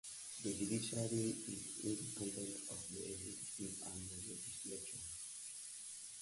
The judiciary is independent of the executive and the legislature.